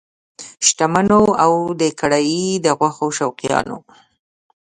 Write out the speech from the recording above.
شتمنو او د کړایي د غوښو شوقیانو!